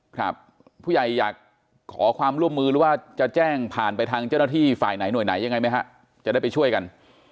ครับผู้ใหญ่อยากขอความร่วมมือหรือว่าจะแจ้งผ่านไปทางเจ้าหน้าที่ฝ่ายไหนหน่วยไหนยังไงไหมฮะจะได้ไปช่วยกัน